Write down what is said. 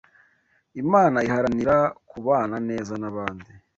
Imana iharanira kubana neza n’abandi